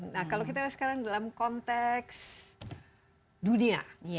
nah kalau kita lihat sekarang dalam konteks dunia